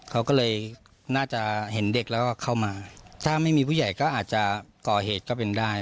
เขาก็เลยน่าจะเห็นเด็กแล้วก็เข้ามาถ้าไม่มีผู้ใหญ่ก็อาจจะก่อเหตุก็เป็นได้